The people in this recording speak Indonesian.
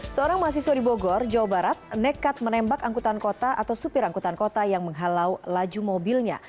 seorang mahasiswa di bogor jawa barat nekat menembak angkutan kota atau supir angkutan kota yang menghalau laju mobilnya